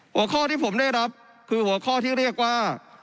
หัวข้อที่ผมได้รับคือหัวข้อที่เรียกว่า